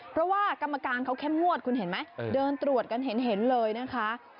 เพราะว่ากรรมการเขาเข้มงวดคุณเห็นไหมเดินตรวจกันเห็นเลยนะคะ